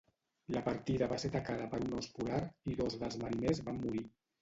La partida va ser atacada per un ós polar i dos dels mariners van morir.